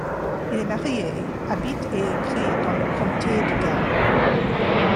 Il est marié, habite et écrit dans le comté de Down.